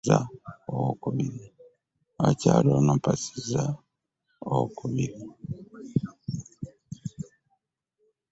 Abakyala ono mpasizza waakubiri.